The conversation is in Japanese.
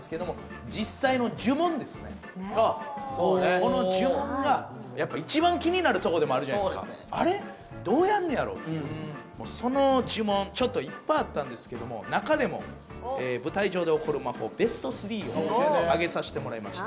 この呪文がやっぱ一番気になるとこでもあるじゃないですかあれどうやんねやろ？っていうもうその呪文ちょっといっぱいあったんですけども中でも舞台上で起こる魔法ＢＥＳＴ３を挙げさしてもらいました